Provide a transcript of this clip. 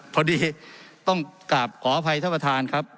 พอดีต้องกลับขออภัยท่านประธานครับ